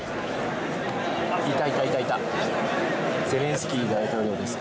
いたいたいたいた、ゼレンスキー大統領です。